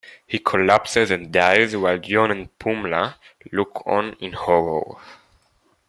He collapses and dies while John and Pumla look on in horror.